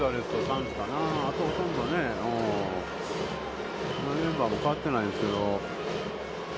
あとほとんどメンバーも変わってないですけど。